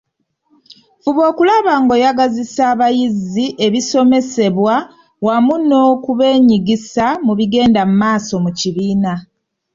Fuba okulaba ng'oyagazisa abayizi ebisomesebwa wamu n’okubeenyigisa mu bigenda mu maaso mu kibiina.